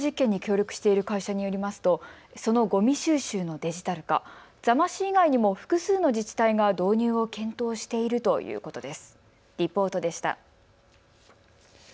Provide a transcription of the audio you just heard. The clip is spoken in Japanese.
実証実験に協力している会社によりますとゴミ収集のデジタル化、座間市以外にも複数の自治体が導入を検討しているということです。